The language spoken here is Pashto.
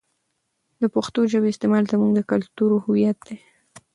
د پښتو ژبې استعمال زموږ د کلتور هویت دی.